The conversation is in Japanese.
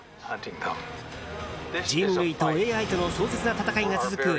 人類とＡＩとの壮絶な戦いが続く